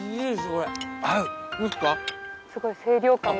すごい清涼感が。